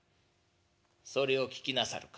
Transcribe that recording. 「それを聞きなさるか。